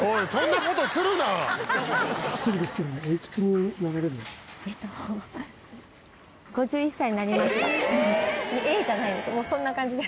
こんな感じです。